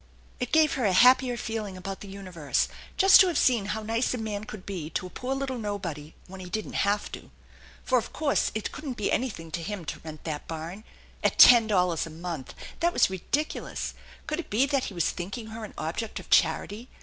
It gave her a happier feeling about the universe just to have seen how nice a man could be to a poor little nobody when he didn't have to. For of course it couldn't be anything to him to rent that barn at ten dollars a month ! That was ridiculous ! Could it be that he was Chinking her an object of charity